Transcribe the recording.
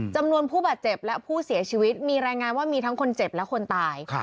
จำนวนผู้บาดเจ็บและผู้เสียชีวิตมีรายงานว่ามีทั้งคนเจ็บและคนตาย